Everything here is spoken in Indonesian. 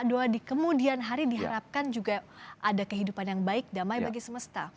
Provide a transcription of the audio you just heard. doa di kemudian hari diharapkan juga ada kehidupan yang baik damai bagi semesta